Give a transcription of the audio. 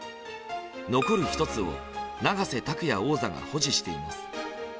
残る１つを永瀬拓矢王座が保持しています。